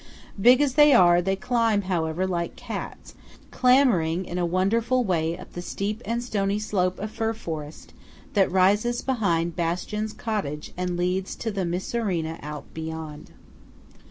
Big as they are, they climb, however, like cats, clambering in a wonderful way up the steep and stony slope of fir forest that rises behind Bastian's cottage and leads to the Misurina Alp beyond.